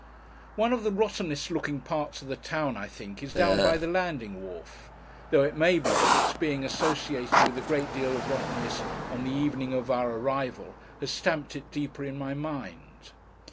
One of the rottenest looking parts of the town, I think, is down by the landing wharf: though it may be, that its being associated with a great deal of rottenness on the evening of our arrival, has stamped it deeper in my mind.